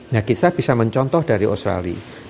nah kisah bisa mencontoh dari australia